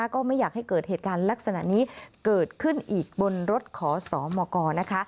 ก็ไม่อยากให้เกิดเหตุการณ์ลักษณะนี้เกิดขึ้นอีกบนรถขอสมกนะคะ